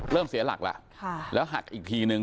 เริ่มเสียหลักละแล้วหักอีกทีนึง